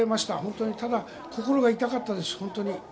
ただ、心が痛かったです。